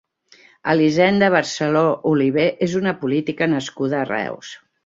Elisenda Barceló Olivé és una política nascuda a Reus.